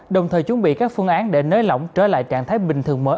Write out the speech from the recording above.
đồng thời chuẩn bị các phương án để nới lỏng trở lại trạng thái bình thường mới